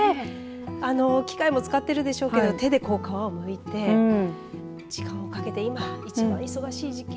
あの、機械も使ってるでしょうけど手で皮をむいて時間をかけて今一番忙しい時期。